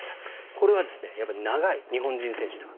これは長い、日本人選手では。